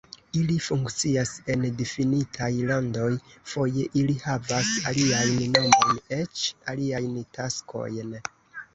Ili funkcias en difinitaj landoj, foje ili havas aliajn nomojn, eĉ aliajn taskojn.